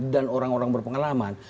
dan orang orang berpengalaman